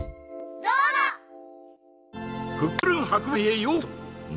どうぞ！